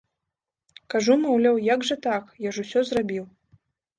Кажу, маўляў, як жа так, я ж усё зрабіў!